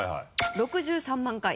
６３万回。